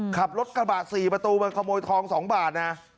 ขับรถกระบะ๔ประตูมาขโมยทอง๒บาทนะ